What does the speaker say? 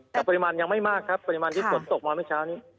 แต่ปริมาณยังไม่มากครับปริมาณที่ฝนตกมาเมื่อเช้านี้